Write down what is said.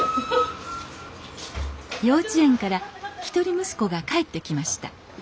幼稚園から一人息子が帰ってきました